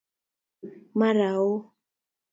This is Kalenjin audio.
Mara ooo